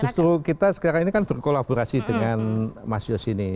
justru kita sekarang ini kan berkolaborasi dengan mas yosin